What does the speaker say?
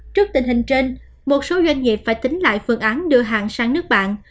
trước tình hình trên một số doanh nghiệp phải tính lại phương án đưa hàng sang nước bạn